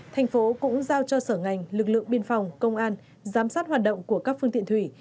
thành phố cũng giao cho sở ngành lực lượng biên phòng công an giám sát hoạt động của các phương tiện thủy